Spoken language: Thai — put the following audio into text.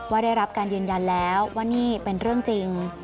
ได้รับการยืนยันแล้วว่านี่เป็นเรื่องจริง